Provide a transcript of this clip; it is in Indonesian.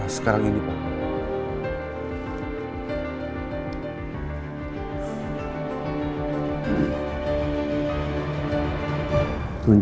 sekarang ini pak